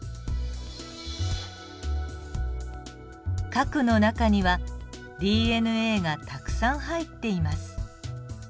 核の中にはＤＮＡがたくさん入っています。